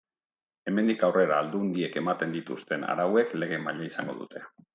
Hemendik aurrera aldundiek ematen dituzten arauek lege maila izango dute.